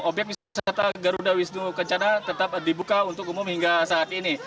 obyek wisata garuda wisnu kencana tetap dibuka untuk umum hingga saat ini